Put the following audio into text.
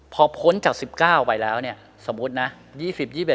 พอพ้นจาก๑๙ไปแล้วเนี่ย